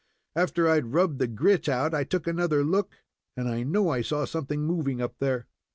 After I had rubbed the grit out I took another look, and I know I saw something moving up there."